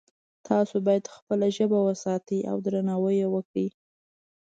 تاسو باید خپله ژبه وساتئ او درناوی یې وکړئ